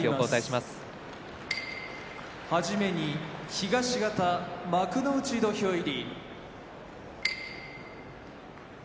はじめに東方幕内土俵入り。